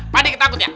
pade ketakut ya